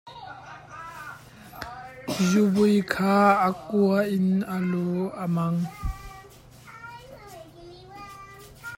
Zubui kha a kua in a lu a mang.